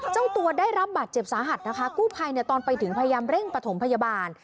เจ้าตัวได้รับบาดเจ็บสาหัสนะคะกู้ภัยเนี่ยตอนไปถึงพยายามเร่งประถมพยาบาล